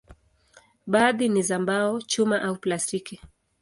Baadhi ni za mbao, chuma au plastiki.